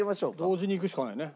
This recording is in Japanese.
同時にいくしかないね。